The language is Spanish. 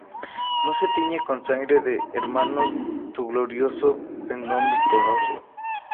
No se tiñe con sangre de hermanos tu glorioso pendón bicolor.